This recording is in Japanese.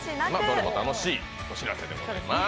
どれも楽しいお知らせでございます。